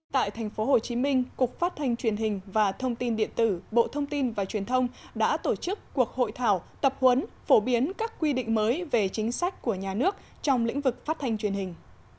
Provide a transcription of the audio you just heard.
tại tp hcm cục phát thanh truyền hình và thông tin điện tử bộ thông tin và truyền thông đã tổ chức cuộc hội thảo tập huấn phổ biến các quy định mới về chính sách của nhà nước trong lĩnh vực phát thanh truyền hình